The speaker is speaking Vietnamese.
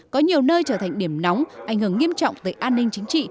có nhiều nơi trở thành điểm nóng ảnh hưởng nghiêm trọng tới an ninh chính trị